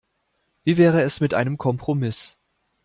Wie wäre es mit einem Kompromiss?